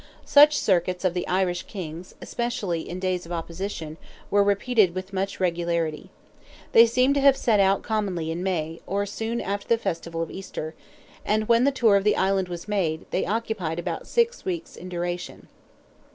Such circuits of the Irish kings, especially in days of opposition, were repeated with much regularity. They seem to have set out commonly in May—or soon after the festival of Easter—and when the tour of the island was made, they occupied about six weeks in duration.